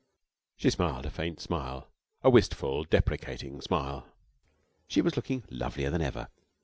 She smiled a faint smile, a wistful, deprecating smile. She was looking lovelier than ever.